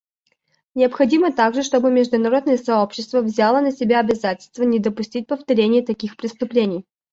Необходимо также, чтобы международное сообщество взяло на себя обязательство не допустить повторения таких преступлений.